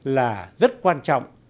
là rất quan trọng